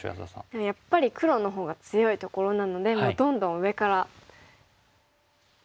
でもやっぱり黒のほうが強いところなのでもうどんどん上からいきたいですね。